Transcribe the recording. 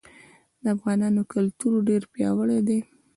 د افغانانو کلتور ډير پیاوړی دی.